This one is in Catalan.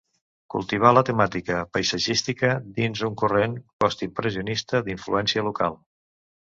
Cultivà la temàtica paisatgística dins un corrent postimpressionista d’influència local.